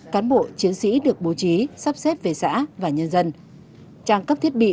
cán bộ chiến sĩ được bố trí sắp xếp về xã và nhân dân trang cấp thiết bị